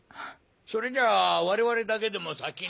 それじゃ我々だけでも先に。